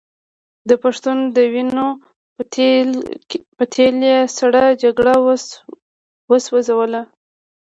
د پښتون د وینو په تېل یې سړه جګړه وسوځوله.